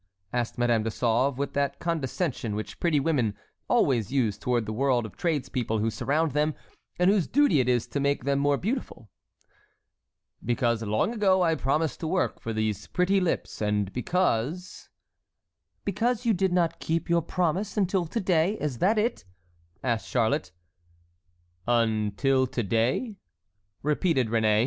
asked Madame de Sauve, with that condescension which pretty women always use towards the world of tradespeople who surround them, and whose duty it is to make them more beautiful. "Because long ago I promised to work for these pretty lips, and because"— "Because you did not keep your promise until to day; is that it?" asked Charlotte. "Until to day?" repeated Réné.